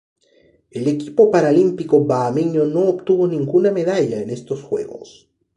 El equipo paralímpico bahameño no obtuvo ninguna medalla en estos Juegos.